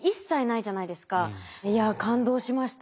いや感動しました。